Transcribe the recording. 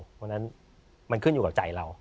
เพราะฉะนั้นมันขึ้นอยู่กับใจเรา